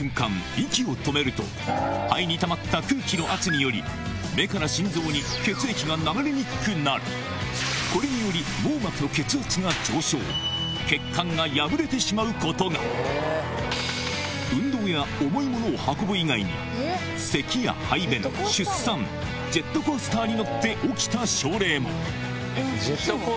息を止めると肺にたまった空気の圧により目から心臓に血液が流れにくくなるこれにより網膜の血圧が上昇血管が破れてしまうことが運動や重い物を運ぶ以外にジェットコースターね。